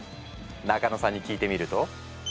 中野さんに聞いてみると。